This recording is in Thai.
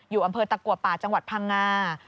อำเภอตะกัวป่าจังหวัดพังงา